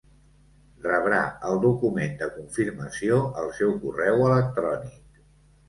Rebrà el document de confirmació al seu correu electrònic.